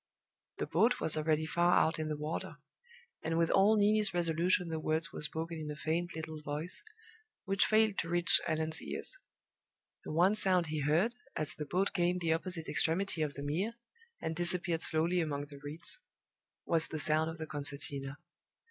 The boat was already far out in the water, and with all Neelie's resolution the words were spoken in a faint little voice, which failed to reach Allan's ears. The one sound he heard, as the boat gained the opposite extremity of the Mere, and disappeared slowly among the reeds, was the sound of the concertina.